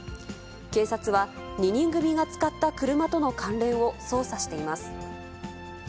警察は、２人組が使った車との関連を捜査しています。